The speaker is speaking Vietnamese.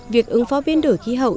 việc ứng phó biến đổi khí hậu